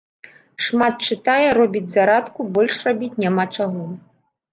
Шмат чытае, робіць зарадку, больш рабіць няма чаго.